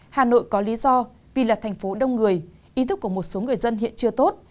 hà nội có lý do vì là thành phố đông người ý thức của một số người dân hiện chưa tốt